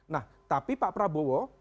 nah tapi pak prabowo